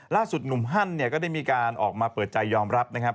ล่าสุดหนุ่มฮั่นเนี่ยก็ได้มีการออกมาเปิดใจยอมรับนะครับ